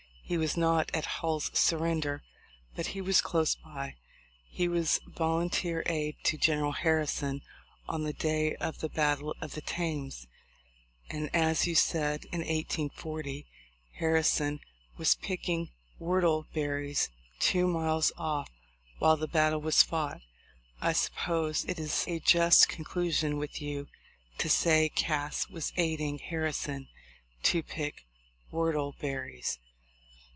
He was not at Hull's surrender, but he was close by; he was vol unteer aid to General Harrison on the day of the battle of the Thames; and as you said in 1840 Harrison was picking whortleberries two miles off while the battle was fought, I suppose it is a just con clusion with you to say Cass was aiding Harrison to pick whortleberries.